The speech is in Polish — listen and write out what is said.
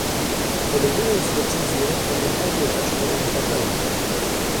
Podejmując decyzje pamiętajmy też o obywatelach